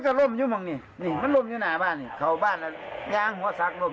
ขิมอยู่ตรงตรูครับซ้อยแร่มาครับ